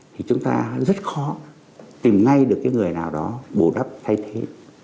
thì chúng ta rất khó tìm ngay được cái người nào đó bù đắp thay thế